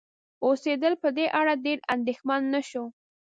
اوسیدل په دې اړه ډېر اندیښمن نشو